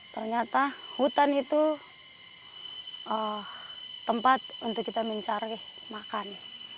ternyata hutan itu tempat untuk kita mencari makan